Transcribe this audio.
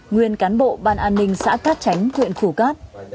nguyên cán bộ ban an ninh xã cát tránh huyện phủ cát